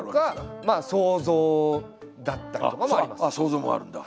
想像もあるんだ。